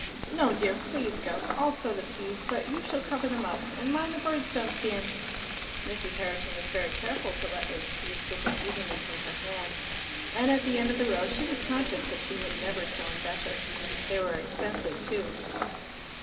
"No, dear; please go. I'll sow the peas, but you shall cover them up and mind the birds don't see 'em!" Mrs. Herriton was very careful to let those peas trickle evenly from her hand, and at the end of the row she was conscious that she had never sown better. They were expensive too.